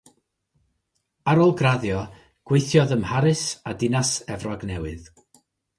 Ar ôl graddio, gweithiodd ym Mharis a Dinas Efrog Newydd.